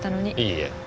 いいえ。